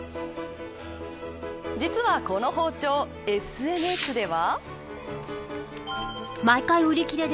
実はこの包丁ＳＮＳでは。